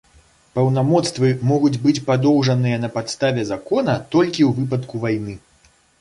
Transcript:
Паўнамоцтвы могуць быць падоўжаныя на падставе закона толькі ў выпадку вайны.